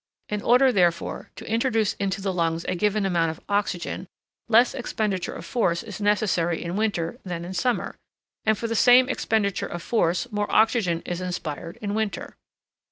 In order, therefore, to introduce into the lungs a given amount of oxygen, less expenditure of force is necessary in winter than in summer, and for the same expenditure of force more oxygen is inspired in winter.